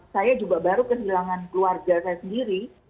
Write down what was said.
saya juga baru kehilangan keluarga saya sendiri